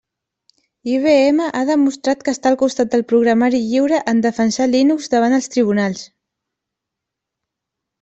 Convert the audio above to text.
IBM ha demostrat que està al costat del programari lliure en defensar Linux davant els tribunals.